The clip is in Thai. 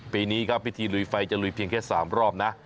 ปีนี้ครับพิธีลุยไฟจะลุยเพียงแค่๓รอบนะ